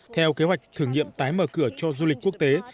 theo kế hoạch thử nghiệm tái mở cửa cho du lịch quốc tế